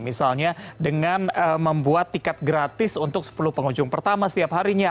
misalnya dengan membuat tiket gratis untuk sepuluh pengunjung pertama setiap harinya